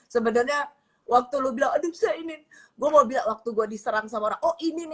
sebenarnya waktu lo bilang aduh saya ini gue mau bilang waktu gue diserang sama orang oh ini nih